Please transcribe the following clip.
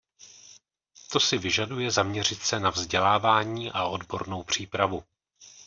To si vyžaduje zaměřit se na vzdělávání a odbornou přípravu.